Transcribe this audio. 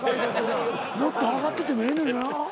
もっと上がっててもええのにな。